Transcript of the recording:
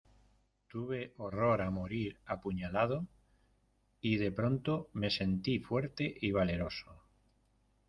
tuve horror a morir apuñalado, y de pronto me sentí fuerte y valeroso.